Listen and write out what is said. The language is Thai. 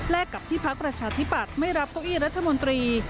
และกับที่พักประชาธิปัตย์ไม่รับเก้าอี้รัฐมนตรี